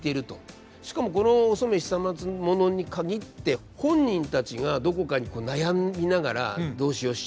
しかもこのお染久松物に限って本人たちがどこかに悩みながら「どうしよう？